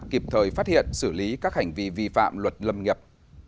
kịp thời phát hiện xử lý các hành vi vi phạm luật lâm nghiệp